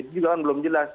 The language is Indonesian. jangan belum jelas